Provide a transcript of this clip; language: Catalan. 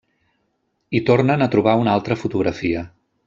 I tornen a trobar una altra fotografia.